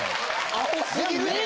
アホすぎるやん。